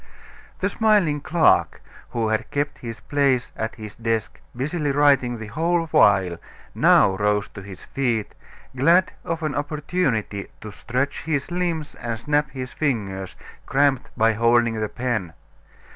The smiling clerk, who had kept his place at his desk busily writing the whole while, now rose to his feet, glad of an opportunity to stretch his limbs and snap his fingers, cramped by holding the pen.